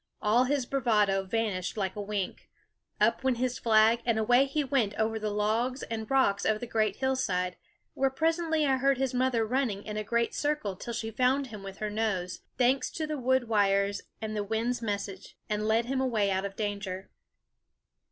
All his bravado vanished like a wink. Up went his flag, and away he went over the logs and rocks of the great hillside; where presently I heard his mother running in a great circle till she found him with her nose, thanks to the wood wires and the wind's message, and led him away out of danger.